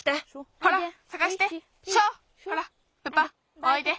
ほらプパおいで。